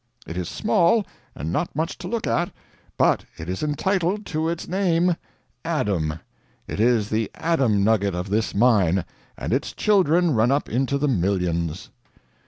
It is small, and not much to look at, but it is entitled to (its) name Adam. It is the Adam nugget of this mine, and its children run up into the millions."